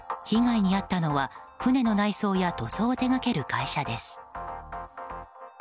被害に遭ったのは船の内装や塗装を手掛ける会社です。